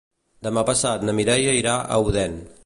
Demà passat na Mireia irà a Odèn.